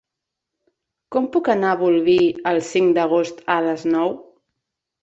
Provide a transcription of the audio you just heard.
Com puc anar a Bolvir el cinc d'agost a les nou?